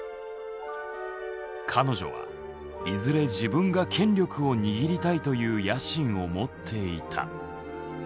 彼女はいずれ自分が権力を握りたいという野心を持っていた。